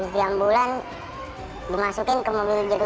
di ambulan dimasukin ke mobil jeruji itu